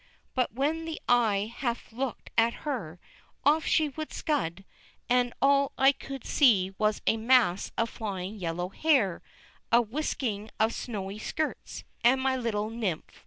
But when the eye half looked at her, off she would scud, and all I could see was a mass of flying yellow hair, a whisking of snowy skirts, and my little nymph was gone.